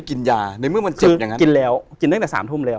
คือกินแล้ว